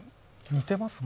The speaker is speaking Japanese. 似てますか？